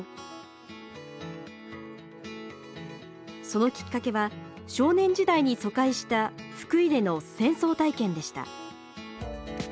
そのきっかけは少年時代に疎開した福井での戦争体験でした。